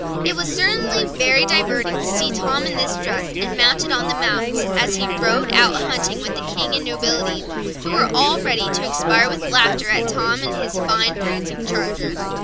It was certainly very amusing to see him in this dress and mounted on the mouse, as he rode out a hunting with the King and nobility, who were all ready to expire with laughter at Tom and his fine prancing charioteer.